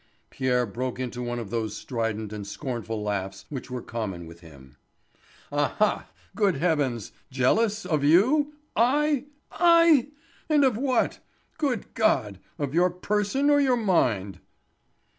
Pierre broke into one of those strident and scornful laughs which were common with him. "Ah! ah! Good Heavens! Jealous of you! I? I? And of what? Good God! Of your person or your mind?"